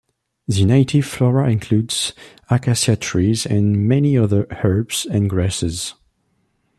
The native flora includes acacia trees and many other herbs and grasses.